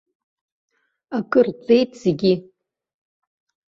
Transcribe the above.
Акы рҵеит зегьы.